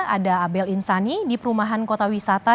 ada abel insani di perumahan kota wisata